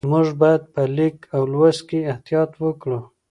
موږ باید په لیک او لوست کې احتیاط وکړو